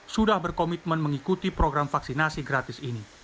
sudah berkomitmen mengikuti program vaksinasi gratis ini